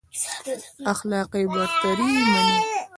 اخلاقي برتري يې مني.